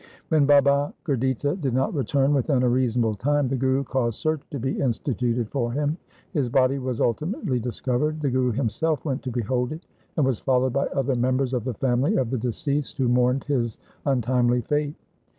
When Baba Gurditta did not return within a reasonable time, the Guru caused search to be instituted for him. His body was ultimately dis covered. The Guru himself went to behold it, and was followed by other members of the family of the deceased, who mourned his untimely fate.